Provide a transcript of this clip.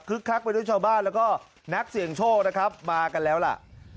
คลักไปด้วยชาวบ้านแล้วก็นักเสี่ยงโชคนะครับมากันแล้วล่ะ